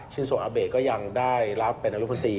ชินโสอาเบกก็ยังได้รับเป็นอนุพิธี